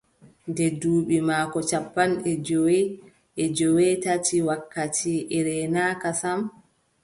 Nde duuɓi maako cappanɗe jowi e joweetati, wakkati e reenaaka sam,